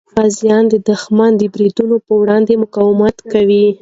غازیان د دښمن د بریدونو په وړاندې مقاومت کوي.